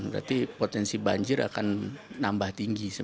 berarti potensi banjir akan nambah tinggi